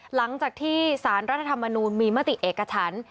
หลังจากที่สารรัฐธรรมนูลมีมติเอกฉัน